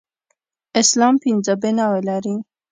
اسلام پنځه بناوې لري.